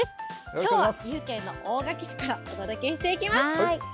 きょうは岐阜県の大垣市からお届けしていきます。